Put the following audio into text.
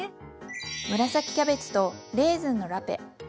紫キャベツとレーズンのラペ。